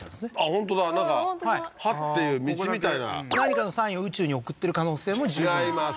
本当だなんか「ハ」っていう道みたいな何かのサインを宇宙に送ってる可能性も十分違います